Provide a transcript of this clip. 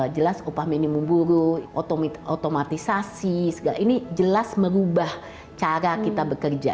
jelas upah minimum buruk otomatisasi segala ini jelas merubah cara kita bekerja